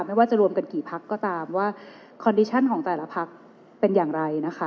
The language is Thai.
ไม่ว่าจะรวมกันกี่พักก็ตามว่าคอนดิชั่นของแต่ละพักเป็นอย่างไรนะคะ